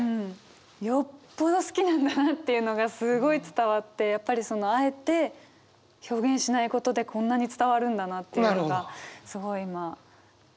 よっぽど好きなんだなっていうのがすごい伝わってやっぱりあえて表現しないことでこんなに伝わるんだなっていうのがすごい今びっくりですね。